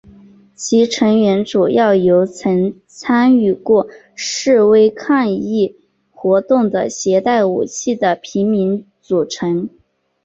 其成员主要由曾参与过示威抗议活动的携带武器的平民组成。